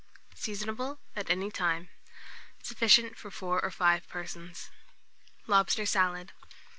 Seasonable at any time. Sufficient for 4 or 5 persons. LOBSTER SALAD.